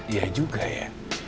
ya juga ya